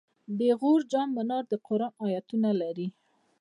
د غور جام منار د قرآن آیتونه لري